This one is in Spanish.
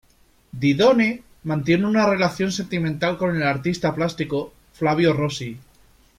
Didone mantiene una relación sentimental con el artista plástico Flavio Rossi.